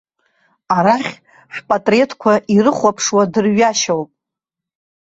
Арахь, ҳпатреҭқәа ирыхәаԥшуа дырҩашьоуп.